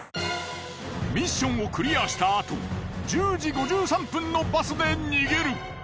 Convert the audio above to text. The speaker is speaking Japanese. ミッションをクリアしたあと１０時５３分のバスで逃げる。